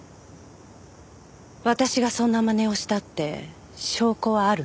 私がそんなまねをしたって証拠はあるの？